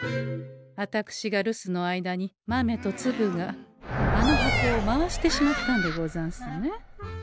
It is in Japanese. あたくしが留守の間にまめとつぶがあの箱を回してしまったんでござんすね。